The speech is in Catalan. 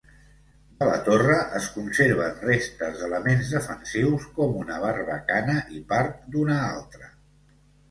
De la torre, es conserven restes d'elements defensius com una barbacana i part d'una altra.